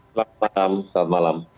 selamat malam selamat malam